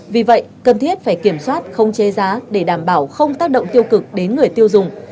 vì vậy cần thiết phải kiểm soát không chế giá để đảm bảo không tác động tiêu cực đến người tiêu dùng